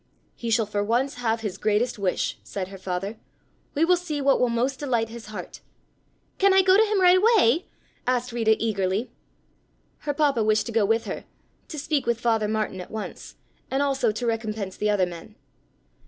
"He shall for once have his greatest wish," said her father. "We will see what will most delight his heart." "Can I go to him right away?" asked Rita eagerly. Her papa wished to go with her, to speak with Father Martin at once, and also to recompense the other men.